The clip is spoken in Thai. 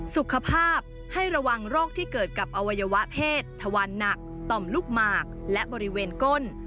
สุขภาพให้ระวังโรคที่เกิดกับอวัยวะเพศทวันหนักต่อมลูกหมากและบริเวณก้น